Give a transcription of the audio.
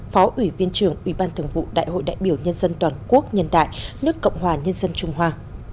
phó ủy viên trưởng ủy ban thường vụ đại hội đại biểu nhân dân toàn quốc nhân đại nước cộng hòa nhân dân trung hoa